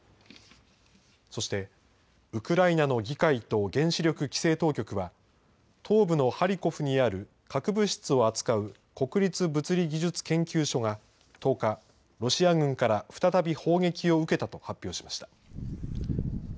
そしてウクライナの議会と原子力規制当局は、東部のハリコフにある核物質を扱う国立物理技術研究所が１０日、ロシア軍から再び砲撃を受けたと発表しました。